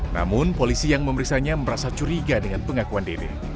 namun polisi yang memeriksanya merasa curiga dengan pengakuan dede